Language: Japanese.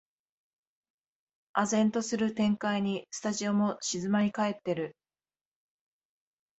唖然とする展開にスタジオも静まりかえってる